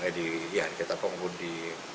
eh di ihan ketapang pun di